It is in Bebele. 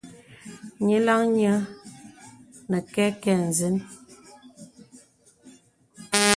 Nyìlaŋ nyə̄ nə kɛkɛ ǹzən.